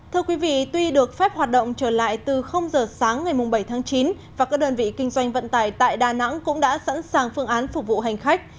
thưa quý vị tuy được phép hoạt động trở lại từ giờ sáng ngày bảy tháng chín và các đơn vị kinh doanh vận tải tại đà nẵng cũng đã sẵn sàng phương án phục vụ hành khách